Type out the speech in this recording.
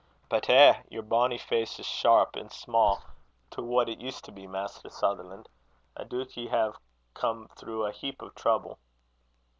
"But eh! yer bonnie face is sharp an' sma' to what it used to be, Maister Sutherlan'. I doot ye hae come through a heap o' trouble."